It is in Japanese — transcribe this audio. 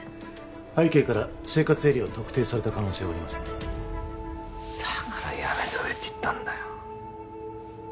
背景から生活エリアを特定された可能性はありますねだからやめとけって言ったんだよ